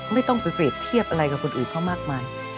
ไม่ต้องไปเปรียบเทียบอะไรกับคนอื่นเขามากมาย